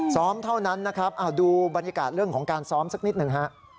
เท่านั้นนะครับดูบรรยากาศเรื่องของการซ้อมสักนิดหนึ่งฮะ